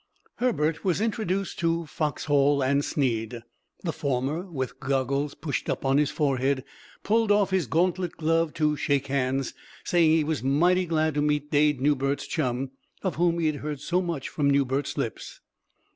Herbert was introduced to Foxhall and Snead. The former, with goggles pushed up on his forehead, pulled off his gauntlet glove to shake hands, saying he was mighty glad to meet Dade Newbert's chum, of whom he'd heard so much from Newbert's lips.